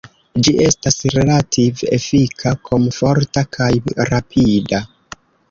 Ĝi estas relative efika, komforta kaj rapida.